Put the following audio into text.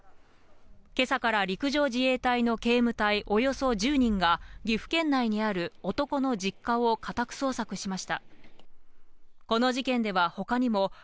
今朝から陸上自衛隊の警務隊およそ１０人が岐阜県内にある男の実家を家宅捜索しました。